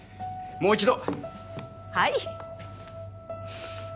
もう一度。